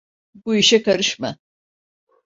Bu işe karışma!